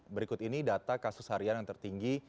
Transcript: berikut ini data kasus harian yang tertinggi